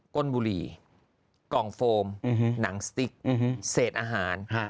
้นบุหรี่กล่องโฟมหนังสติ๊กเศษอาหาร